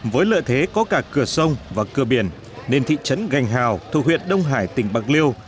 với lợi thế có cả cửa sông và cửa biển nên thị trấn gành hào thuộc huyện đông hải tỉnh bạc liêu